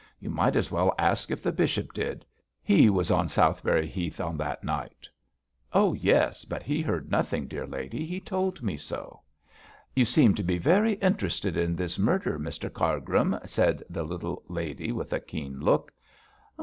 You might as well ask if the bishop did; he was on Southberry Heath on that night.' 'Oh, yes, but he heard nothing, dear lady; he told me so.' 'You seem to be very interested in this murder, Mr Cargrim,' said the little lady, with a keen look.